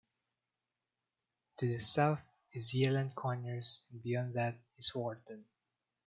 To the south is Yealand Conyers and beyond that is Warton.